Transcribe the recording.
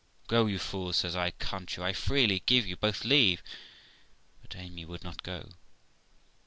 'Go, you fool', says I, 'can't you? I freely give you both leave.' But Amy would not go.